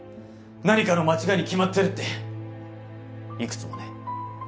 何かの間違いに決まってるっていくつもね。